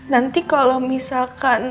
nanti kalau misalkan